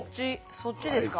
そっちですか。